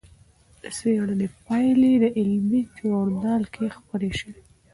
د څېړنې پایلې د علمي ژورنال کې خپرې شوې.